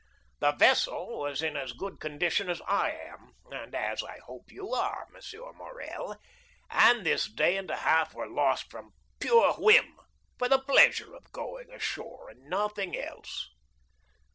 "The vessel was in as good condition as I am, and as, I hope you are, M. Morrel, and this day and a half was lost from pure whim, for the pleasure of going ashore, and nothing else."